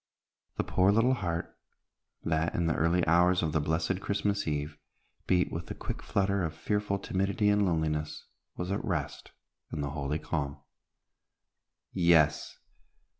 The poor little heart, that in the early hours of the blessed Christmas Eve beat with the quick flutter of fearful timidity and loneliness, was at rest in the holy calm. Yes!